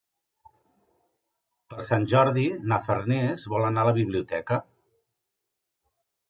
Per Sant Jordi na Farners vol anar a la biblioteca.